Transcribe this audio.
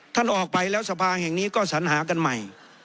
ท่านออกไปแล้วสภาแห่งนี้ก็สัญหากันใหม่